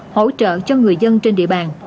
hỗ trợ cho người dân trên địa bàn